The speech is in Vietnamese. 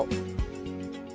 còn những câu chuyện